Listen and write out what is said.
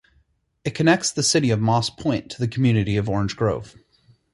It connects the city of Moss Point to the community of Orange Grove.